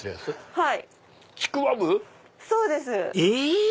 はい。